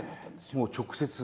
もう直接？